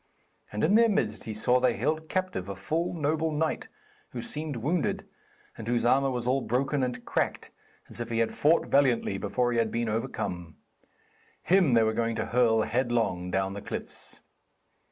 And in their midst he saw they held captive a full noble knight, who seemed wounded, and whose armour was all broken and cracked, as if he had fought valiantly before he had been overcome. Him they were going to hurl headlong down the cliffs.